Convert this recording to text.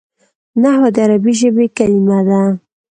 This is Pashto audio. نحوه د عربي ژبي کلیمه ده.